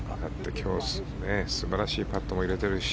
今日、素晴らしいパットも入れているし。